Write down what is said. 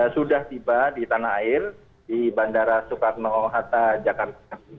sudah tiba di tanah air di bandara soekarno hatta jakarta